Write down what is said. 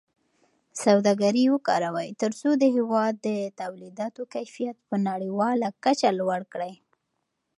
سوداګري وکاروئ ترڅو د هېواد د تولیداتو کیفیت په نړیواله کچه لوړ کړئ.